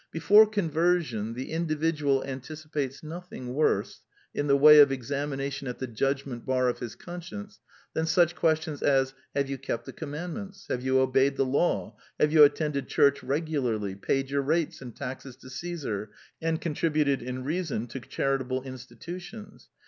Before conversion the individual anticipates nothing worse in the way of examination at the judgment bar of his conscience than such questions as. Have you kept the commandments? Have you obeyed the law? Have you attended church regularly? paid your rates and taxes to Csesar? and con tributed, in reason, to charitable institutions?